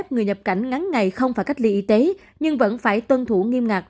nhập cảnh ngắn ngày không phải cách ly y tế nhưng vẫn phải tuân thủ nghiêm ngặt